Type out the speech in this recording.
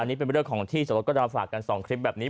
อันนี้เป็นเรื่องของที่สมรสก็จะฝากกัน๒คลิปแบบนี้